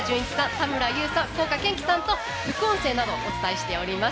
田村優さん、福岡堅樹さんと副音声などお伝えしています。